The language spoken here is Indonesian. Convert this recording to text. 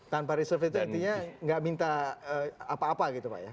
tanpa reserve itu artinya nggak minta apa apa gitu pak ya